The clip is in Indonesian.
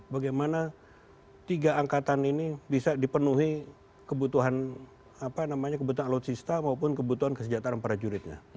bagaimana tiga angkatan ini bisa dipenuhi kebutuhan alutsista maupun kebutuhan kesejahteraan para juridnya